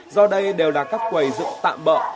do đây đều là các quầy dựng tạm bỡ